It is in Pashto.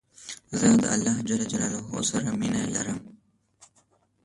زه د الله ج سره مينه لرم